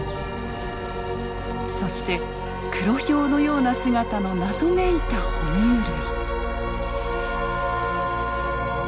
そしてクロヒョウのような姿の謎めいた哺乳類。